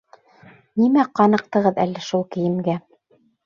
Нимә ҡаныҡтығыҙ әле шул кейемгә?